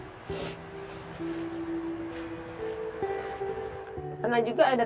pokoknya saya akan berbuat yang terbaik